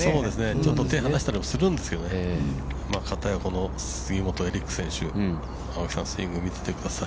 ◆ちょっと手離したりもするんですけど、片や杉本エリック選手、青木さん、スイングを見ててください。